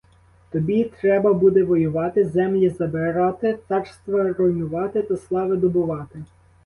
Тобі треба буде воювати, землі забирати, царства руйнувати та слави добувати.